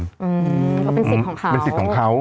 อืมก็เป็นสิทธิ์ของเขาเป็นสิทธิ์ของเขา